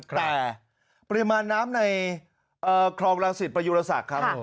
แต่ปริมาณน้ำในคลองรังสิตประยุรศักดิ์ครับ